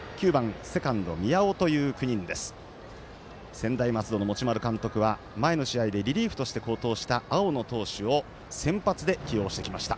専大松戸の持丸監督は前の試合でリリーフとして好投した青野投手を先発で起用してきました。